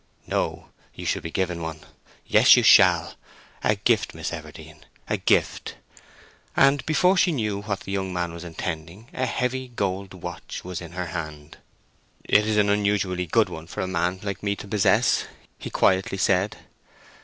"No. You shall be given one. Yes—you shall. A gift, Miss Everdene—a gift." And before she knew what the young man was intending, a heavy gold watch was in her hand. "It is an unusually good one for a man like me to possess," he quietly said.